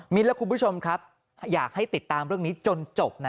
และคุณผู้ชมครับอยากให้ติดตามเรื่องนี้จนจบนะ